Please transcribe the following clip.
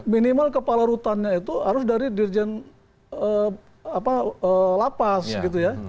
minimal kepala rutannya itu harus dari dirjen lapas gitu ya